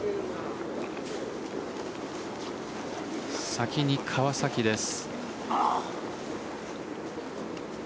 先に川崎です。